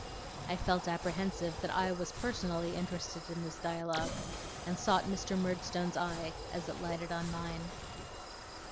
I felt apprehensive that I was personally interested in this dialogue, and sought Mr. Murdstone's eye as it lighted on mine.